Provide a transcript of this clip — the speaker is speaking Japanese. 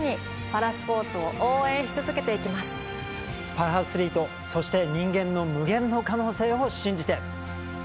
パラアスリートそして人間の無限の可能性を信じて。